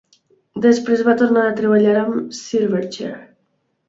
Després va tornar a treballar amb Silverchair.